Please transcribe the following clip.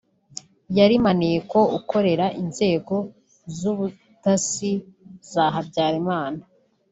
Yari Maneko ukorera inzego z’ubutasi za Habyarimana